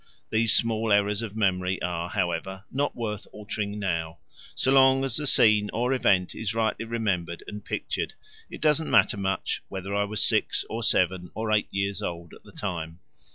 These small errors of memory are, however, not worth altering now: so long as the scene or event is rightly remembered and pictured it doesn't matter much whether I was six or seven, or eight years old at the time.